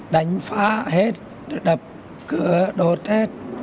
đánh phá hết đập cửa đột hết